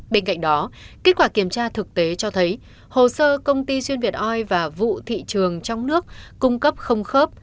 bên cạnh đó kết quả kiểm tra thực tế cho thấy hồ sơ công ty xuyên việt oi và vụ thị trường trong nước cung cấp không khớp